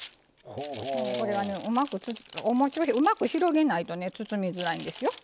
これはねうまく広げないとね包みづらいんですよ。